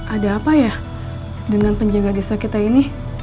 ada apa ya dengan penjaga desa kita ini